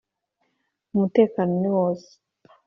umutekano niwose.